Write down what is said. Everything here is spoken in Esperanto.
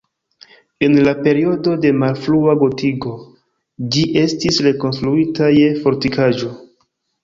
En la periodo de malfrua gotiko ĝi estis rekonstruita je fortikaĵo.